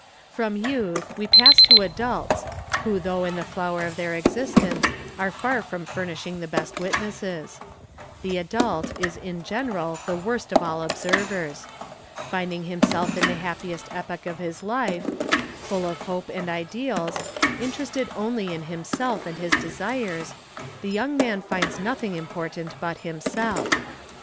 From youth we pass to adults who though in the flower of their exist ence are far from furnishing the best witnesses. The adult is in general If one desires information on such subjects the best witnesses 'the worst of all observers. Finding himself in the happiest epoch of his life, full of hope and ideals, interested only in himself and his desires, the 'yo ng man finds nothing important but himself.